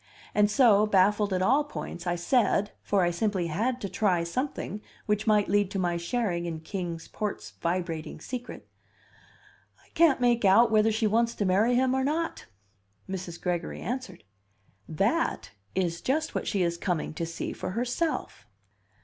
And so, baffled at all points, I said (for I simply had to try something which might lead to my sharing in Kings Port's vibrating secret): "I can't make out whether she wants to marry him or not." Mrs. Gregory answered. "That is just what she is coming to see for herself."